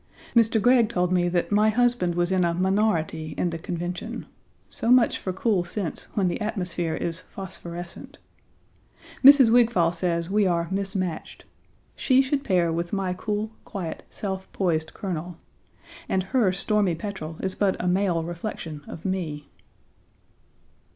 Mr. Gregg told me that my husband was in a minority in the Convention; so much for cool sense when the atmosphere is phosphorescent. Mrs. Wigfall says we are mismatched. She should pair with my cool, quiet, self poised Colonel. And her stormy petrel is but a male reflection of me.